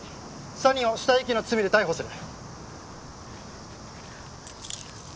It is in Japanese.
３人を死体遺棄の罪で逮捕する。